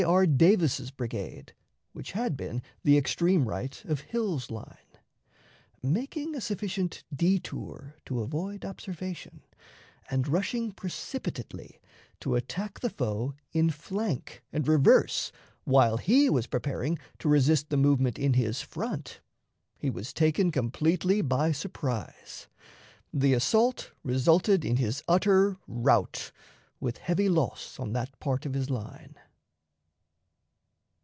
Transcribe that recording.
R. Davis's brigade, which had been the extreme right of Hill's line. Making a sufficient détour to avoid observation, and, rushing precipitately to attack the foe in flank and reverse while he was preparing to resist the movement in his front, he was taken completely by surprise. The assault resulted in his utter rout, with heavy loss on that part of his line.